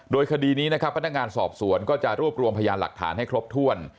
โดยคดีนี้นะครับพนักงานสอบสวนก็จะรวบรวมพยานหลักฐานให้ครบถ้วน